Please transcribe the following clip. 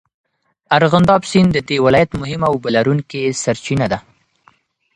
ارغنداب سیند د دې ولایت مهمه اوبهلرونکې سرچینه ده.